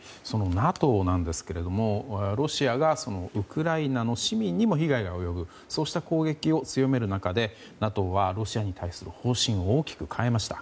そのＮＡＴＯですがロシアがウクライナの市民にも被害が及ぶそうした攻撃を強める中でＮＡＴＯはロシアに対する方針を大きく変えました。